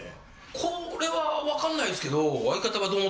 これはわかんないですけど。